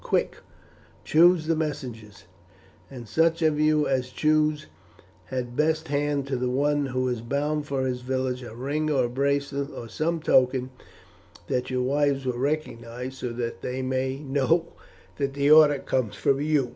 Quick! choose the messengers; and such of you as choose had best hand to the one who is bound for his village a ring or a bracelet, or some token that your wives will recognize, so that they may know that the order comes from you."